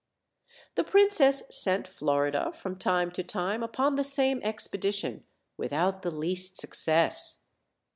The princess sent Florida from time to time upon the same expedition, without the least success.